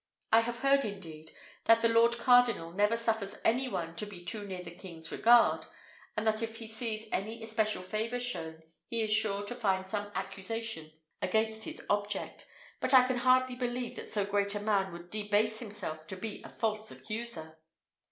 I have heard, indeed, that the lord cardinal never suffers any one to be too near the king's regard; and that if he sees any especial favour shown, he is sure to find some accusation against his object; but I can hardly believe that so great a man would debase himself to be a false accuser."